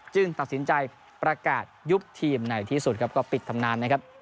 ตัดสินใจประกาศยุบทีมในที่สุดครับก็ปิดทำนานนะครับ